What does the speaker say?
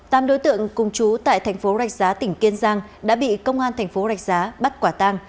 tám đối tượng cùng chú tại thành phố rạch giá tỉnh kiên giang đã bị công an thành phố rạch giá bắt quả tang